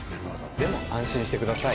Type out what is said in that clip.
でも安心してください。